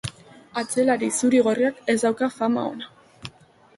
Atzelari zuri-gorriak ez dauka fama ona.